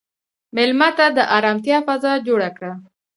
مېلمه ته د ارامتیا فضا جوړ کړه.